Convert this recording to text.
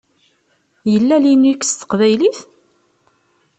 Yella Linux s teqbaylit?